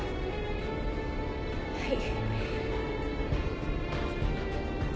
はい。